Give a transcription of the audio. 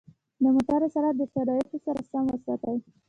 د موټرو سرعت د شرایطو سره سم وساتئ.